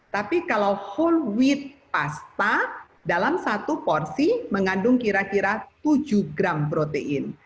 tapi kalau whole with pasta dalam satu porsi mengandung kira kira tujuh gram protein